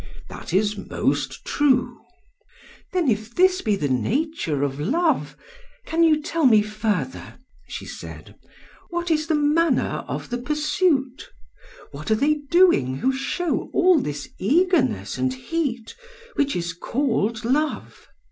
"'That is most true.' "'Then if this be the nature of love, can you tell me further,' she said, 'what is the manner of the pursuit? what are they doing who show all this eagerness and heat which is called love?